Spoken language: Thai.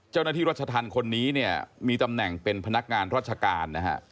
เจ้าหน้าที่รัชทันคนนี้เนี่ยมีตำแหน่งเป็นพนักงานราชการนะฮะ